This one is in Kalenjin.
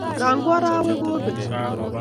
noo ko araweekobek.